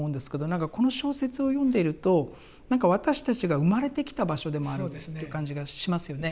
何かこの小説を読んでいると何か私たちが生まれてきた場所でもあるという感じがしますよね。